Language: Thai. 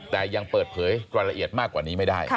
แต่ยังเปิดเผยรายละเอียดมากกว่านี้ไม่ได้